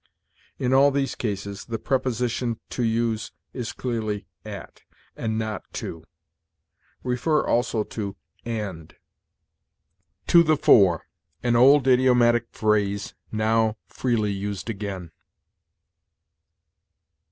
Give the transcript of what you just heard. In all these cases, the preposition to use is clearly at, and not to. See, also, AND. TO THE FORE. An old idiomatic phrase, now freely used again.